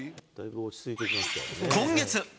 今月。